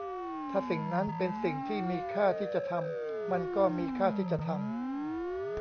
ถ้าสิ่งนั้นเป็นสิ่งที่มีค่าที่จะทำ มันก็มีค่าที่จะทำ